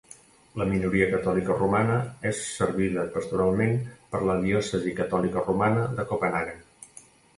La minoria catòlica romana és servida pastoralment per la Diòcesi Catòlica Romana de Copenhaguen.